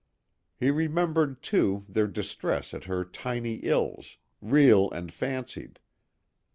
He remembered, too, their distress at her tiny ills, real and fancied.